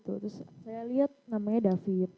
terus saya lihat namanya david